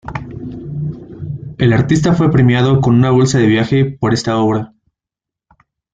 El artista fue premiado con una bolsa de viaje por esta obra.